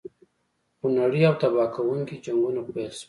خونړي او تباه کوونکي جنګونه پیل شول.